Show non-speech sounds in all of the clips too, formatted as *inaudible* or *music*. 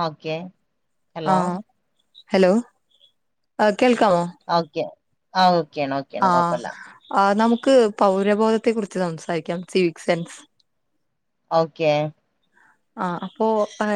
Okay hello ആഹ് hello *unintelligible* കേൾക്കാവോ? ആവ് ആഹ് ആഹ് നമു ക്ക് പൗരബോധത്തെ കുറിച്ച് സംസാരിക്കാം സിവിക്സെൻസ് ഓക്കെ ആ അപ്പോ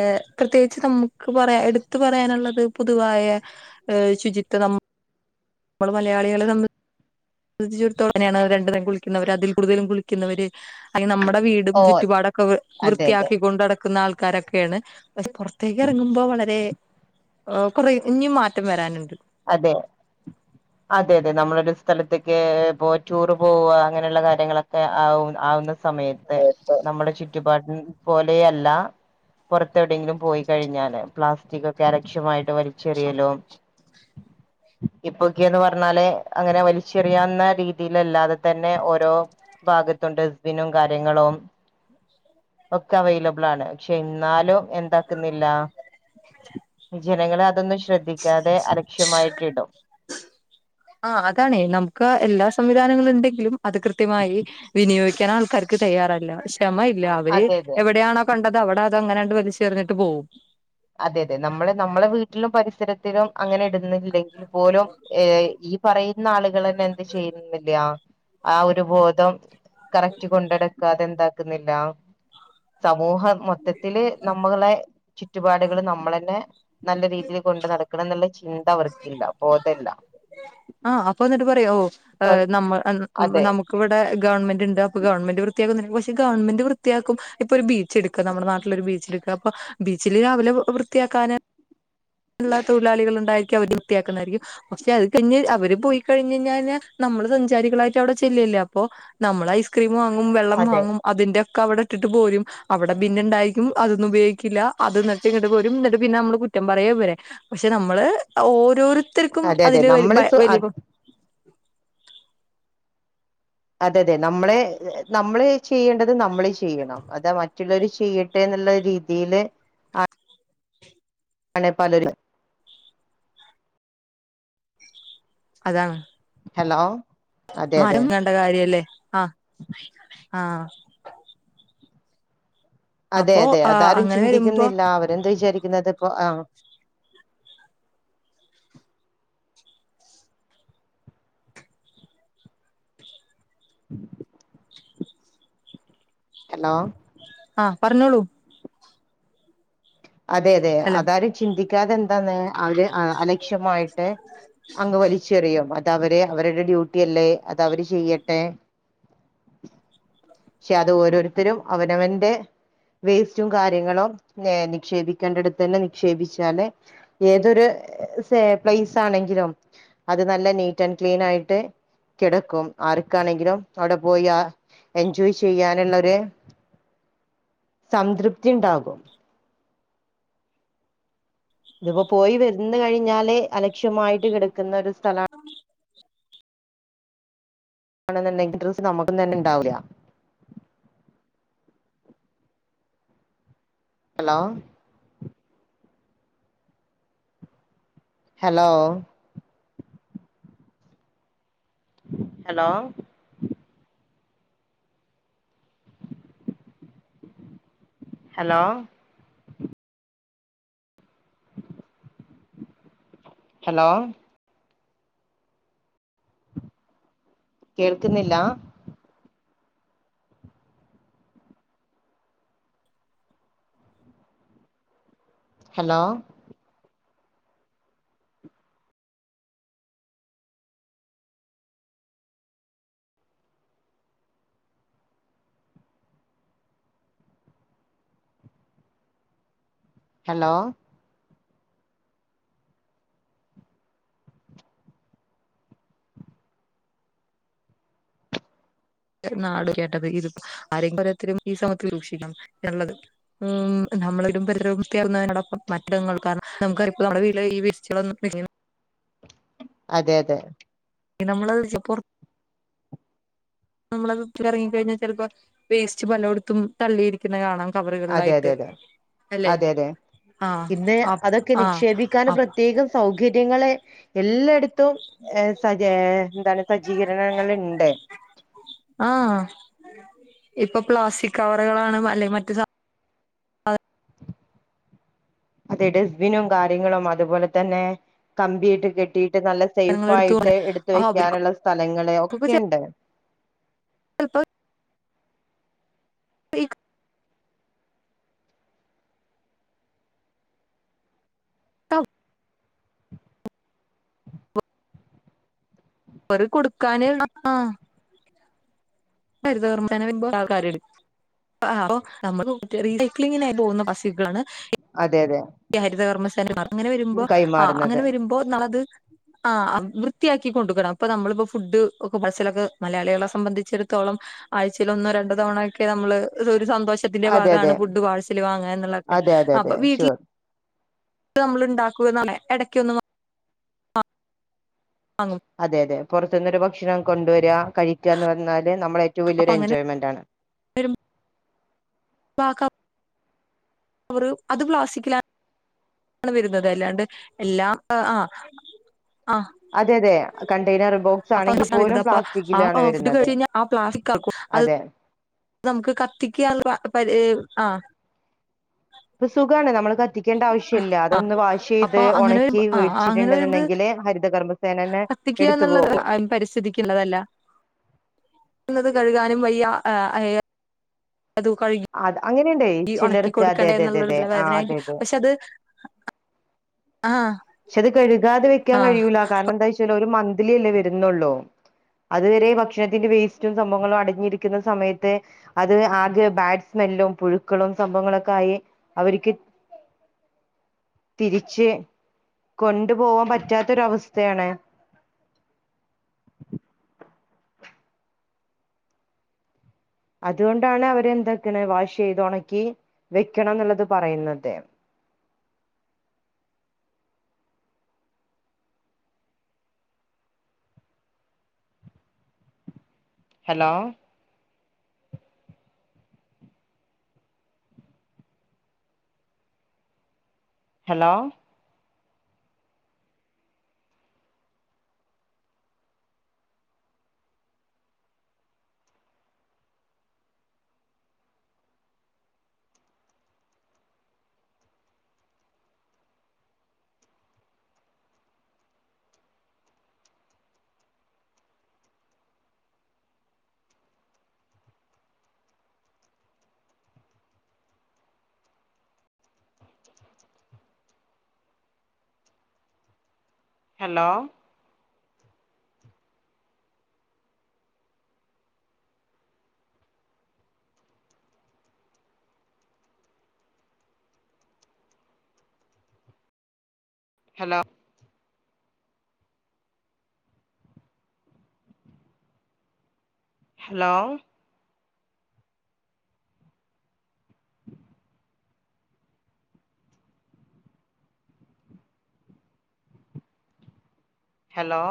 ഏ പ്രത്യേകിച്ച് നമുക്ക് പറയാ എടുത്തു പറയാനുള്ളത് പൊതുവായ ഏ ശുചിത്വം നമു മ്മള് മലയാളികള് സംബ *unintelligible* തന്നെയാണ് രണ്ട് നേരം കുളിക്കുന്നവര് അതിൽ കൂടുതലും കുളിക്കുന്നവര് അങ്ങ നമ്മ വീടും ഓ ചുറ്റുപാടക്കെ വി അതെ അതെ വൃത്തിയാക്കി കൊണ്ടടക്കുന്ന ആൾ ൾക്കാരൊക്കെയാണ് പക്ഷെ പുറത്തേക്ക് ഇറങ്ങുമ്പോ വളരെ ആ കുറേ ഇഞ്ഞീം മാറ്റം വരാനുണ്ട്. അതെ അതെതെ നമ്മളൊരു സ്ഥലത്തേക്ക് പോ ടൂറ് പോവാ അങ്ങനെയുള്ള കാര്യങ്ങളൊക്കെ ആവു ആവുന്ന സമയത്ത് നമ്മുടെ ചുറ്റു പാ ഉം പോലേയല്ല പൊറത്തെ വിടെയെങ്കിലും പോയി കഴിഞ്ഞാല് പ്ലാസ്റ്റിക് ഒക്കെ അലക്ഷ്യമായിട്ട് വലിച്ചെറിയലും ഇപ്പൊക്കെന്ന് പറഞ്ഞാല് അങ്ങനെ വലിച്ചെറിയാവുന്ന രീതിയിലല്ലാതെ തന്നെ ഓരോ ഭാഗത്തും ഡസ്റ്റ്ബിനും കാര്യങ്ങളും ഒക്കെ അവൈലബിളാണ് ക്ഷെ എന്നാലും എന്താക്കുന്നില്ല ജനങ്ങളെ അതൊന്നും ശ്രദ്ധിക്കാതെ അ ക്ഷ്യമായിട്ടിടും ആ അതാണേ നമുക്ക് എല്ലാ സംവിധാനങ്ങളുണ്ടെങ്കിലും അത് കൃത്യമായി വിനിയോഗിക്കാൻ ആൾക്കാർക്ക് തയ്യാറല്ല ശ് ക്ഷമ ഇല്ല അവര് അതെ അതെ എവിടെയാണോ കണ്ടത് അവിട അ അങ്ങനാണ്ട് വലിചെർഞ്ഞിട്ട് പോവും അതെ തെ നമ്മള് നമ്മളെ വീട്ടിലും പരിസരത്തിലും അങ്ങനെ ഇടുന്നില്ലെങ്കി ൽ പോലും ഏ ഈ പറയുന്ന ആളുകളന്നെ എന്ത് ചെയ്യുന്നില്ല ആ ഒരു ബോധം കറക്റ്റ് കൊണ്ടടക്കാതെന്താ ന്നില്ല സമൂഹം മൊത്തത്തില് നമ്മളെ ചു പാടുകള് നമ്മളന്നെ നല്ല രീതീല് കൊണ്ട് നടക്കണന്നുള്ള ചിന്ത അവർക്കില്ല ബോധല്ല ആഹ് അപ്പൊ എന്നിട്ട് പറയും ഓ ഏഹ് നമ്മ ഉം അതെ അതെ നമുക്കവടെ ഗവൺമെന്റ് ണ്ട് അപ്പോ ഗവൺമെന്റ് വൃത്തിയാക്കുന്നെന്ന് കുറിച്ച് ഗവൺമെന്റ് വൃത്തിയാക്കും ഇപ്പൊ ഒരു ബീച്ച് എടുക് ക്കാ നമ്മടെ നാട്ടില് ഒരു ബീച്ചെടുക്കാ അപ്പോ ബീച്ചില് രാവിലെ വൃ വൃത്തിയാക്കാ ന്ള്ള തൊഴിലാളികൾ ഉണ്ടായിരിക്കും അവര് വൃത്തിയാക്കുന്നാരിക്കും പക്ഷെ അത് കഴിഞ്ഞ് അവര് പോയി കഴിഞ്ഞഞാ നമ്മള് സഞ്ചാരികളായിട്ട് അവിടെ ചെല്ലുല്ലേ അപ്പോ നമ്മള് ഐസ്ക്രീം വാങ്ങും വെള്ളം അതെ വാങ്ങും അതിന്റെ ക്കാ അവടെ ഇട്ടിട്ട് പോരും അവടെ ബിന്ന്ണ്ടാരിക്കും അതൊന്നും ഉപയോഗിക്കില്ല അത് നെരത്തിങ്ങട്ട് പോരും ന്നട്ട് പിന്നെ നമ്മള് കുറ്റം പറയും വരെ പക്ഷെ നമ്മള് ഓരോരു ത്തര്ക്കും അതെ അതെ അതില് നമ്മള് *unintelligible* അതെ അതെ നമ്മളെ നമ്മള് ചെയ്യേണ്ടത് നമ്മള് ചെ ചെയ്യണം അതാ മറ്റ് റ്റുള്ളവര് ചെയ്യട്ടെ എന്നുള്ള രീതിയില് ആഹ് ആണെ പലരും അതാണ് ഹലോ അതെ അതെ മരം വേണ്ട കാര്യല്ലേ ആഹ് ആഹ് അതെ അപ്പൊ അതെ ആഹ് അതാരും അങ്ങനെ വരുമ്പോ ചിന്തിക്കുന്നില്ല അവരെന്താ വിചാരിക്കുന്നത്പ്പോ ആഹ് ഹലോ ആഹ് പറഞ്ഞോളൂ അതെ അതെ ഹലോ അതാരും ചിന്തിക് കാതെന്താണ് അവര് ആഹ് അഹ് അലക് ഷ്യമായിട്ട് അങ്ങ് വലിച്ചെറിയും അത് ത അവര് അവരടെ ഡ്യൂട്ടി അല്ലേ, അത് അവര് ചെയ്യട്ടെ, പക്ഷെ അത് ഓരോരുത്തരും അവനവന്റെ വേസ്റ്റും കാര്യങ്ങളും നേ ക്ഷേപിക്കേണ്ടടത്തന്നെ നിക്ഷേപിച്ചാല് ഏതൊരു സേ പ്ലേസ് ആണെങ്കിലും അത് നല്ല നീറ്റ് ആൻഡ് ക്ലീൻ ആയിട്ട് കിടക്കും, ആർക്കാണെങ്കിലും അവിടെ പോയി ആ എൻജോയ് ചെയ്യാനുള്ളൊര് സംതൃപ്തിണ്ടാകും. ഇതിപ്പോ പോയി വര്ന്ന് കഴിഞ്ഞാലേ അലക്ഷ്യമായിട്ട് കിടക്കുന്ന ഒര് സ് സ്ഥലാ ണെന്നുണ്ടെങ്കി ഇന്ട്രസ് നമുക്കും തന്നെ ഇണ്ടാവൂല്യ. Hello hello hello hello hello കേൾക്കുന്നില്ലാ ഹലോ ഹലോ നാടുകേട്ടത് ഇതിപ്പോ ആരെങ്കിലും ഓരോരുത്തര് ഈ സമയത്ത് സൂക്ഷിക്കണം ന്നിള്ളത്, ഊം നമ്മളൊ വീടും പരിസരവും വൃത്തിയാക്കുന്നതിനോടൊപ്പം മറ്റിടങ്ങൾ കാരണം നമുക്ക്റിപ്പോ നമ്മുടെ വീട്ടില് ഈ *unintelligible* അതെ അതെ നമ്മളത് പോർത്ത് നമ്മളത് ഇറങ്ങിക്കഴിഞ്ഞാൽ ചിലപ്പോ വേസ്റ്റ് പലയിടത്തും തള്ളിയിരിക്കുന്ന കാണാം അതെ കവറുകളിലായിട്ട് അതെ അല്ലെ അതെ അതെ ആഹ് ഇന്ന് അപ് അതൊക്കെ ആഹ് നിക്ഷേപിക്കാൻ അപ് പ്രത്യേകം സൗകര്യങ്ങളെ എല്ലട് ത്തും ഏഹ് സജെ എന്താണ് സജ്ജീകരണങ്ങള്ണ്ട് ആഹ് ഇപ്പൊ പ്ലാസ്റ്റിക് കവറുകളാണ് അല്ലെ മറ്റ് സാ അതെ ഡസ്ബിനും കാര്യങ്ങളും അതുപോലെ തന്നെ കമ്പീട്ട് കെട്ടി ട്ട് നല്ല സാധനങ്ങൾ എടുത്തു പോണെ സൈഫായിട്ട് എടുത്ത് ആഹ് അവർക്കൊക്കെ വെക്കാന്ള്ള സ്ഥലങ്ങള് ഒക്കെണ്ട് ലപ്പോ ഇ തൗ അവര് കൊടുക്കാന് ആഹ് *unintelligible* അതെ അതെ ഹരിതകർമ്മസേനമ്മാർ അങ്ങനെ വരുമ്പോ ആ അങ്ങനെ കൈമാറുന്നത് വരുമ്പോ ന്നള്ളത് ആ വൃത്തിയാക്കി കൊടുക്കണം അപ്പൊ നമ്മളിപ്പോ ഫുഡ് ഒക്കെ പാർസലൊക്കെ മലയാളികളെ സംബന്ധിച്ചിടത്തോളം ആഴ്ച്ചേൽ ഒന്നോ രണ്ടോ തവണക്കെ നമ്മള് ഇത് ഒരു സന്തോഷത്തിന്റെ അതെ ഭാഗാണ് അതെ ഫുഡ് പാഴ്സല് വാങ്ങാ എന്നുള്ളതെക്കെ അതെ അതെ അപ്പൊ അതെ വീട്ടില് ഷുവർ നമ്മള് ഇണ്ടാക്കുവെന്നാണെ എടക്കൊന്ന് ന അതെ അതെ പുറത്തുന്നൊരു ഭ ക്ഷണം കൊണ്ടുവരുക കഴിക്കുക എന്ന് പറഞ്ഞാല് നമ്മടെ ഏറ്റവും അപ്പൊ വലിയൊരു അങ്ങനെ എൻജോയ്മെന്റാണ് വാക്കാം അവർ അത് പ്ലാസ്റ്റി‌ക്കിലാണ് വരുന്നത് അല്ലാണ്ട് എല്ലാം ആ ആ അതെ അതെ കണ്ടെയ്നർ ബോക്സ് അപ്പൊ ആണെങ്കിൽ പോലും *unintelligible* അപ്പ പ്ലാസ്റ്റിക്കിലാണ് ആ ഫുഡ് വരുന്നത് കഴിഞ്ഞ ആ പ്ലാസ്റ്റിക് ആക്കും അത് അതെ നമുക്ക് കത്തിക്കാനെള്ള ആ ഇപ്പൊ സുഖാണ് നമ്മള് കത്തിക്കേണ്ട ആവശ്യില്ല അതൊന്ന് വാഷ് അപ്പൊ ചെയ്ത് അങ്ങനെ ഒണക്കി വരുമ്പോ ആ അങ്ങനെ വരുമ്പോ വെച്ചിട്ടുണ്ടെന്നെങ്കില് ഹരിതകർമ കത്തിക്കുക എന്നള്ളത് അല്ല പരിസ്ഥിതി‌ക്കിള്ളതല്ല ക്കുന്നത് കഴുകാനും വയ്യ ആ ഏ അതു കഴിഞ്ഞു നെണ്ടേ ചിലർക്ക് അതെ അതെ അതെ അതെ ആ തലവേദനയായിട്ട് അതെ അതെ പക്ഷെ അത് ആ പക്ഷെ അത് കഴുകാതെ വെയ്ക്കാൻ ആ കഴിയൂല കാരണം എന്താന്ന് വെച്ചാൽ ഒരു മ ന്തിലിയല്ലേ വരുന്നുള്ളു അതുവരെ ഭക്ഷണത്തിന്റെ വേസ്റ്റും സംഭവങ്ങളും അടിഞ്ഞിരിക്കുന്ന സമയത്ത് അത് ആകെ ബാഡ് സ്മെല്ലും പുഴുക്കളും സംഭവങ്ങളൊക്കെ ആയി അവരിക്ക് തിരിച്ച് കൊണ്ടു പോവാൻ പറ്റാത്തൊരവസ്ഥയാണ് അതുകൊണ്ടാണ് അവരെന്താക്കണെ വാഷ് ചെയ്ത് ഒണക്കി വെക്കണം എന്നൊള്ളത് പറയുന്നത് hello hello hello hello hello hello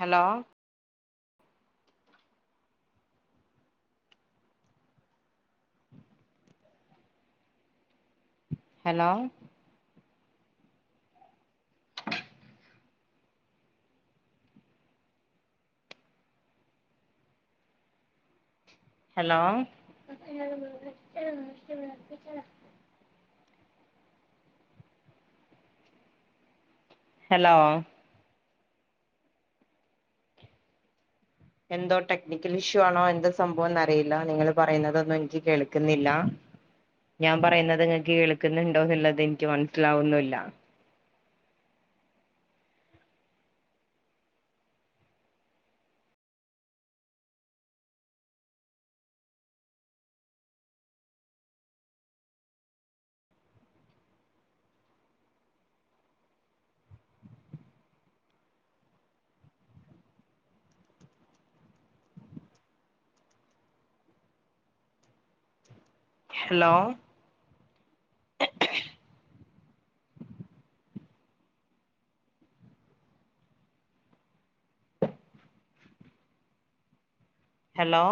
hello hello hello *unintelligible* hello എന്തോ ടെക്നിക്കൽ ഇഷ്യൂ ആണോ എന്ത സംഭവംന്ന് അറിയില്ല നിങ്ങൾ പറയുന്നതൊന്നും എനിക്ക് കേൾക്കുന്നില്ല ഞാൻ പറയുന്നത് ങ്ക് കേൾക്കുന്നുണ്ടോ എന്നുള്ളത് എനിക്ക് മനസ്സിലാവുന്നുല്ല ഹലോ ഹലോ